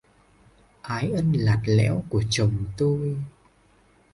Ái ân lạt lẽo của chồng tôi